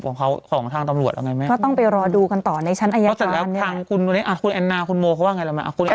เวลาตัดต่อว่าอะโอเคมันมีจุดนั้นแต่อีกแป๊บหนึ่งไม่มีจุดนั้นอ่ะ